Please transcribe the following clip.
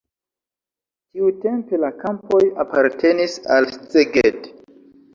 Tiutempe la kampoj apartenis al Szeged.